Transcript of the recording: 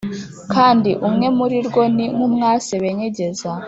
Kandi umwe muri rwo ni nk’umwase benyegeza